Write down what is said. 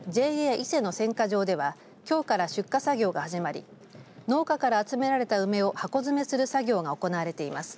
伊勢の選果場ではきょうから出荷作業が始まり農家から集められた梅を箱詰めする作業が行われています。